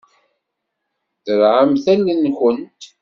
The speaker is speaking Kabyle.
Derrɛemt allen-nkent.